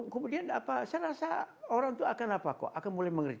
kemudian apa saya rasa orang itu akan apa kok akan mulai mengerik